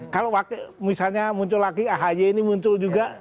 kalau wakil misalnya muncul lagi ahj ini muncul juga